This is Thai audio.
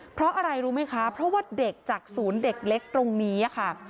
เพราะอะไรรู้ไหมคะเพราะว่าเด็กจากศูนย์เด็กเล็กตรงนี้ค่ะ